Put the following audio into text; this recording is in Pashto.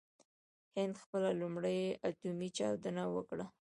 هند خپله لومړۍ اټومي چاودنه وکړه.